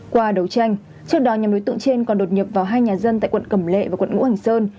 qua đấu tranh trước đó nhóm đối tượng trên còn đột nhập vào hai nhà dân tại quận cẩm lệ và quận ngũ hành sơn